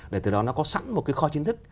để từ đó nó có sẵn một cái kho chính thức